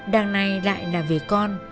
đằng này lại là về con